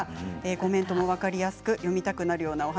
コメントも分かりやすく読みたくなるようなお話。